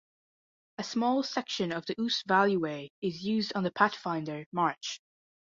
A small section of the Ouse Valley Way is used on the Pathfinder March.